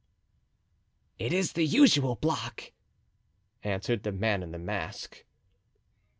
"It is the usual block," answered the man in the mask.